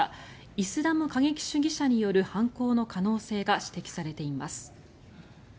イスラム過激主義者による犯行の可能性が指摘されています。